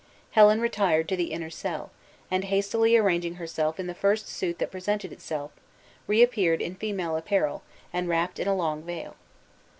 Helen retired to the inner cell, and hastily arranging herself in the first suit that presented itself, reappeared in female apparel, and wrapped in a long veil.